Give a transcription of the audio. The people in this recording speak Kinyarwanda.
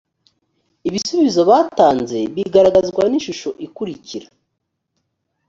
ibisubizo batanze bigaragazwa n’ishusho ikurikira